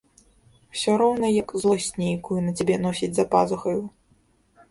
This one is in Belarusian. Усё роўна як злосць нейкую на цябе носіць за пазухаю.